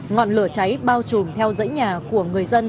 ngọn lửa cháy bao trùm theo dẫy nhà của người dân dài hơn năm mươi m